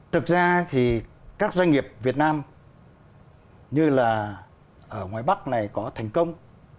thực ra thì các doanh nghiệp việt nam như là ở ngoài bắc này có thành công